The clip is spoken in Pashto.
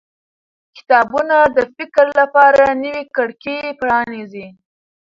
کتابونه د فکر لپاره نوې کړکۍ پرانیزي